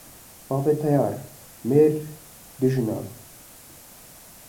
Babê teyar mêr dû jinan